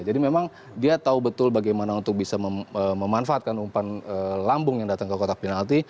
jadi memang dia tahu betul bagaimana untuk bisa memanfaatkan umpan lambung yang datang ke kotak penalti